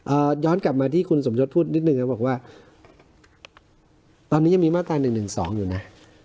อ่าย้อนกลับมาที่คุณสมชดพูดนิดหนึ่งแล้วบอกว่าตอนนี้ยังมีมาตาย๑๑๒อยู่น่ะ